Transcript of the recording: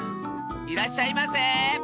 いらっしゃいませ！